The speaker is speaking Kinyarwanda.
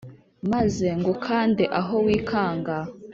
maze ngukande aho wikanga